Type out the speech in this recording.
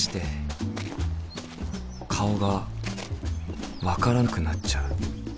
顔が分からなくなっちゃう。